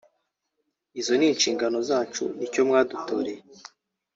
izo ni inshingano zacu nicyo mwadutoreye